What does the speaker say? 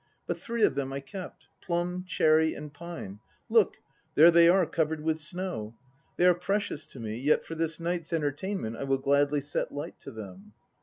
But three of them, I kept, plum, cherry and pine. Look, there they are, covered with snow. They are precious to me; yet for this night's entertainment I will gladly set light to them.